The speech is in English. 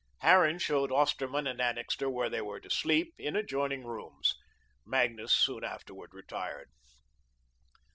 Harran showed Osterman and Annixter where they were to sleep, in adjoining rooms. Magnus soon afterward retired.